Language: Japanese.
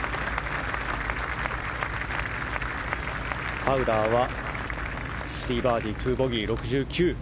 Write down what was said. ファウラーは３バーディー、２ボギー、６９で